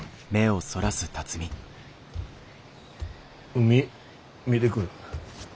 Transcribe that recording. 海見でくる。